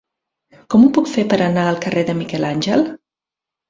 Com ho puc fer per anar al carrer de Miquel Àngel?